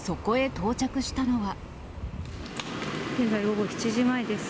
現在、午後７時前です。